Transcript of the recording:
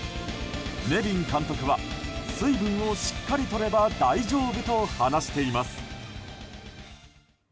ネビン監督は水分をしっかりとれば大丈夫と話しています。